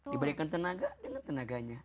diberikan tenaga dengan tenaganya